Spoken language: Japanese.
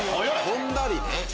跳んだりね。